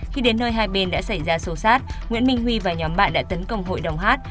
khi đến nơi hai bên đã xảy ra sâu sát nguyễn minh huy và nhóm bạn đã tấn công hội đồng hát